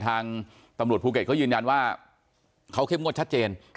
ทางตำรวจภูเก็ตเขายืนยันว่าเขาเข้มงวดชัดเจน